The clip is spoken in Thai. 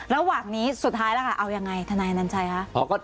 ระหว่างนี้สุดท้ายแล้วค่ะเอายังไงทนายนันชัยคะ